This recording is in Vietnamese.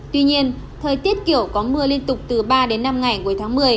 tuy nhiên thời tiết kiểu có mưa liên tục từ ba đến năm ngày cuối tháng một mươi